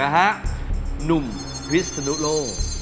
หนุ่มกฤษฎรงค์